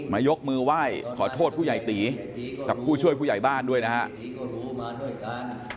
ยกมือไหว้ขอโทษผู้ใหญ่ตีกับผู้ช่วยผู้ใหญ่บ้านด้วยนะครับ